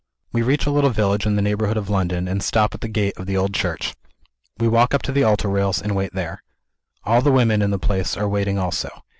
We reach a little village in the neighborhood of London, and stop at the gate of the old church. We walk up to the altar rails, and wait there. All the women in the place are waiting also.